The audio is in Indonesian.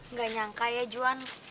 nggak nyangka ya juan